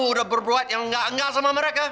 udah berbuat yang gak sama mereka